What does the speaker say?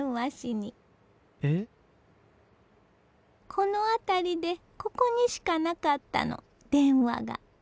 この辺りでここにしかなかったの電話が。